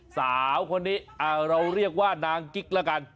สาวคนนี้เราเรียกว่านางกิ๊กแล้วกัน